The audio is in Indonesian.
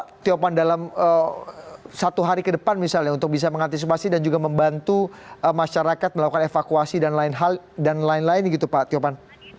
ya itu bisa dikonsumsi dalam satu hari kedepan misalnya untuk bisa mengantisipasi dan juga membantu masyarakat melakukan evakuasi dan lain lain gitu pak tiopan